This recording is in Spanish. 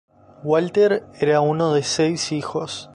Walter era uno de seis hijos.